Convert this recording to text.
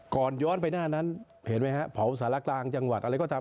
ย้อนไปหน้านั้นเห็นไหมฮะเผาสารกลางจังหวัดอะไรก็ตาม